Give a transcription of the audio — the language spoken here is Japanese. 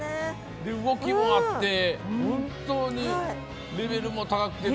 動きもあって本当にレベルも高くて。